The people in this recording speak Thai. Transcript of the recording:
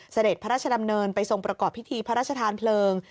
เสด็จพระราชดำเนินไปทรงประกอบพิธีพระราชทานเพลิง